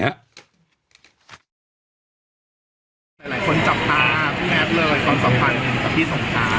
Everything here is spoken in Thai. หลายคนจับจ็กแมท์เลยก่อนสัมพันธ์กับที่สมค้า